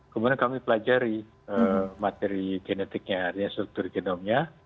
kemudian kami pelajari materi genetiknya artinya struktur genomnya